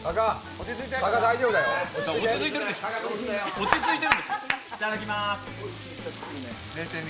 落ち着いてる。